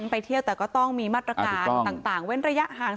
ไปเที่ยวแต่ก็ต้องมีมาตรการต่างเว้นระยะห่าง